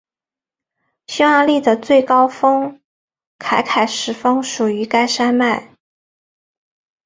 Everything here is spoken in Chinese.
匈牙利的最高峰凯凯什峰属于该山脉。